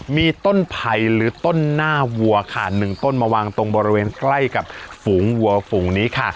มีต้นไผ่หรือต้นหน้าวัวค่ะ๑ต้นมาวางตรงบริเวณใกล้กับฝูงวัวฝูงนี้ค่ะ